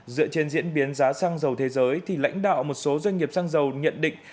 dựa trên diễn biến giá xăng dầu thế giới thì lãnh đạo một số doanh nghiệp xăng dầu nhận định